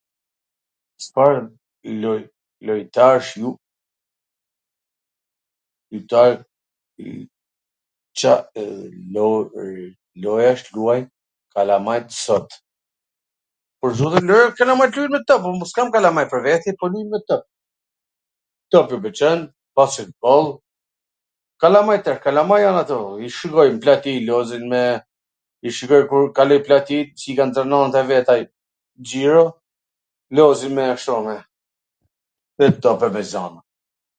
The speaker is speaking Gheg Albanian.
Cfar lojtarsh lun ... Car lojrash luajn kalamajt sot? Pwr zotin lojra kalamajt lujn me top, un s kam kalamaj pwr vete, po lujn me top, topi u pwlqen, basketboll, kalamajt, or, kalamaj jan ato, luajn n plati, lozin me, i shikoj kur kaloj n plati, i kan dhe nonat e veta xhiro, lozin me ashtu, me top e me gjana.